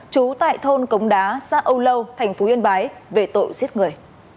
trú tại thôn cống đá xã âu lâu thành phố yên bái về tội giết người